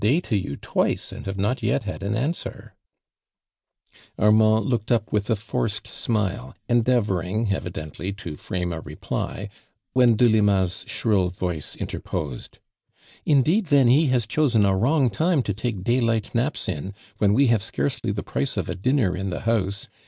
Armand, you have I have said good day have not yet had an Armand looked up with a forced smile > endeavoring, evidently, to tVame a reply, when Delima's shrill voice inter{x>Hed. '•Indeed, then, he has chosen a wrong time to take daylight naps in, when we have scarcely the price of a dinner in the house.